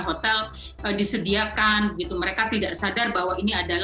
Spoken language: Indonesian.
hotel disediakan begitu mereka tidak sadar bahwa ini adalah jebakan gitu